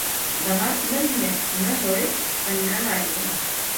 Demà na Vinyet i na Zoè aniran a Aigües.